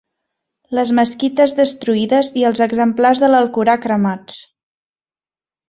Les mesquites destruïdes i els exemplars de l'Alcorà cremats.